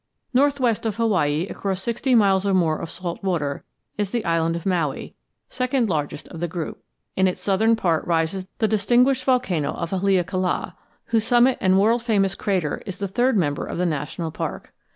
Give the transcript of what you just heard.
Northwest of Hawaii across sixty miles or more of salt water is the island of Maui, second largest of the group. In its southern part rises the distinguished volcano of Haleakala, whose summit and world famous crater is the third member of the national park.